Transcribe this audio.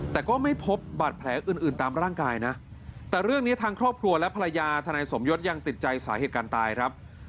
แต่ก็ไม่พบบาดแผลอื่นตามร่างกายนะแต่เรื่องนี้ทางครอบครัวและภรรยาทนายสมยศยังติดใจสาเหตุการณ์ตายครับ